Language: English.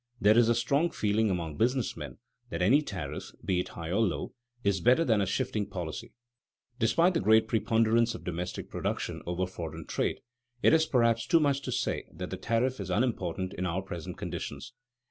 There is a strong feeling among business men that any tariff, be it high or low, is better than a shifting policy. Despite the great preponderance of domestic production over foreign trade, it is perhaps too much to say that the tariff is unimportant in our present conditions.